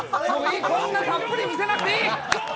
こんなたっぷり見せなくていい！